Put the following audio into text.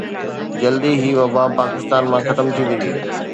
جلد ئي هي وبا پاڪستان مان ختم ٿي ويندي